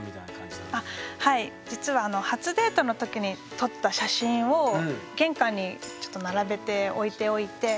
はい実は初デートのときに撮った写真を玄関にちょっと並べて置いておいて。